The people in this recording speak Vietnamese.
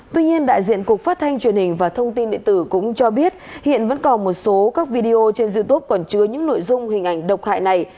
tuy nhiên đại diện cục phát thanh truyền hình và thông tin điện tử cũng cho biết hiện vẫn còn một số các video trên youtube còn chứa những nội dung hình ảnh độc hại này